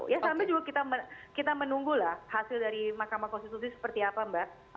ya sampai juga kita menunggulah hasil dari mahkamah konstitusi seperti apa mbak